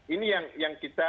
ini yang kita